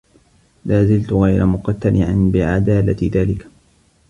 لازلت غير مقتنعا بعدالة ذلك.